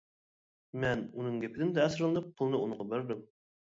مەن ئۇنىڭ گېپىدىن تەسىرلىنىپ پۇلنى ئۇنىڭغا بەردىم.